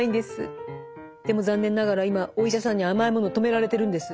でも残念ながら今お医者さんに甘いものを止められてるんです。